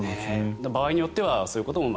場合によってはそういうことも。